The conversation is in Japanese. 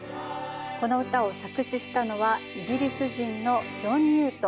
この歌を作詞したのはイギリス人のジョン・ニュートン。